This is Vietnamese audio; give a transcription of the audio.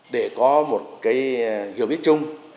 để có một cái hiểu biết chung